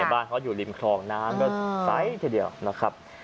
บ้านเขาอยู่ริมคลองน้ำก็ใสทีเดียวนะครับ